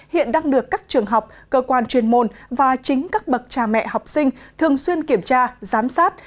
hiện đang được các trường học cơ quan chuyên môn và chính các bậc cha mẹ học sinh thường xuyên kiểm tra giám sát